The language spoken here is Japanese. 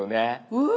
うわ！